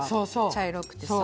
茶色くてさ。